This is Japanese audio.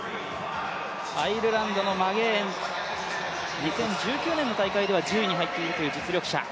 アイルランドのマゲエン、２０１９年の大会では１０位に入っているという実力者。